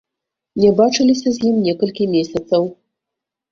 Не бачыліся з ім некалькі месяцаў.